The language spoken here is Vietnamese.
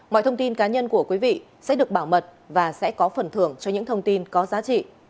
mọi thông tin cá nhân của quý vị sẽ được bảo mật và sẽ có phần thưởng cho những thông tin có giá trị